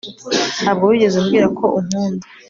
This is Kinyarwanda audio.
Ntabwo wigeze umbwira ko unkunda